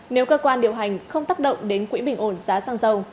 nếu cơ quan điều hành không tác động đến quỹ bình ổn giá xăng dầu